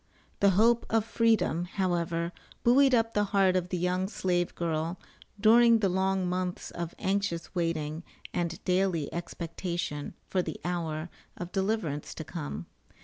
The hope of Freedom, however, buoyed up the heart of the young slave girl during the long months of anxious waiting and daily expectation for the hour of deliverance to come.